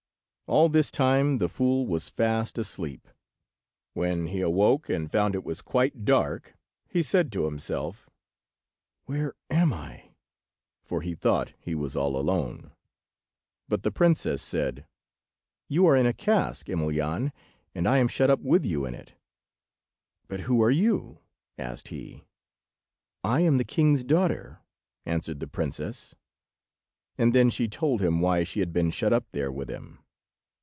All this time the fool was fast asleep. When he awoke, and found it was quite dark, he said to himself— "Where am I?" for he thought he was all alone; but the princess said— "You are in a cask, Emelyan, and I am shut up with you in it." "But who are you?" asked he. "I am the king's daughter," answered the princess; and then she told him why she had been shut up there with him.